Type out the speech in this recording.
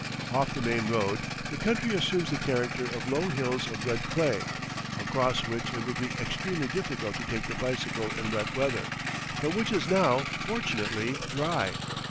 Off the main road the country assumes the character of low hills of red clay, across which it would be extremely difficult to take the bicycle in wet weather, but which is now fortunately dry.